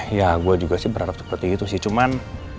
ya gue juga sih berharap seperti itu sih cuman